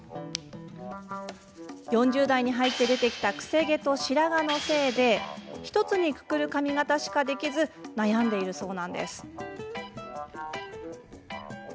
４０代に入って出てきた癖毛と白髪のせいで１つにくくる髪形しかできず悩んでいるそう。